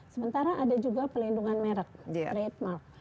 sementara ada juga pelindungan merek trademark